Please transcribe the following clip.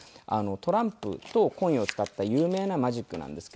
トランプとコインを使った有名なマジックなんですけど。